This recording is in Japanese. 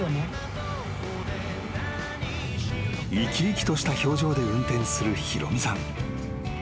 ［生き生きとした表情で運転するひろ実さん］